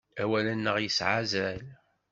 Awal-nneɣ yesɛa azal.